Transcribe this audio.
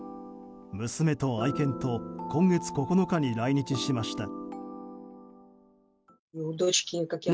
娘と愛犬と今月９日に来日しました。